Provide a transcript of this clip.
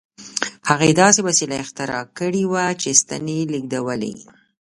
هغه داسې وسیله اختراع کړې وه چې ستنې لېږدولې